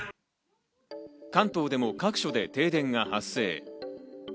関東でも各所で停電が発生。